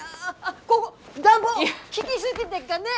こご暖房効ぎ過ぎでっかねえ！